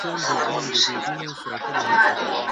په خپله مطالعه کي باید له دقت څخه کار واخیستل سي.